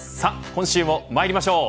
今週もまいりましょう。